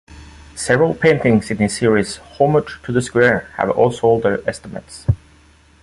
Several paintings in his series "Homage to the Square" have outsold their estimates.